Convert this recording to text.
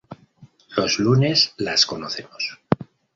Los lunes las conocemos.